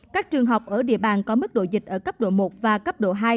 các trường học ở địa bàn có mức độ dịch ở cấp độ một và cấp độ hai